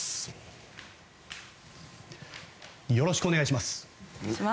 よろしくお願いします。